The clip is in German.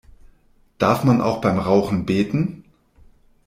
Darf man auch beim Rauchen beten?